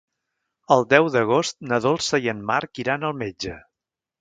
El deu d'agost na Dolça i en Marc iran al metge.